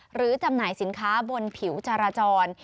จำหน่ายสินค้าบนผิวจราจร